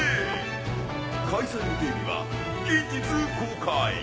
開催予定日は近日公開！